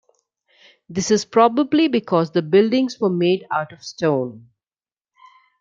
This is probably because the buildings were made out of stone.